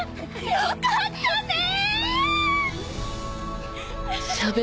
よかったねぇ。